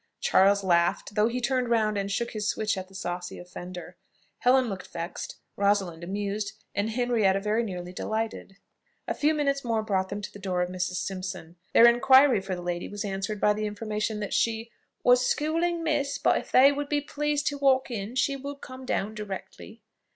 Charles laughed, though he turned round and shook his switch at the saucy offender. Helen looked vexed, Rosalind amused, and Henrietta very nearly delighted. A few minutes more brought them to the door of Mrs. Simpson. Their inquiry for the lady was answered by the information that she "was schooling miss; but if they would be pleased to walk in, she would come down directly."